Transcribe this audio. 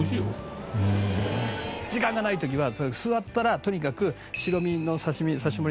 時間がない時は座ったらとにかく白身の刺身刺身盛り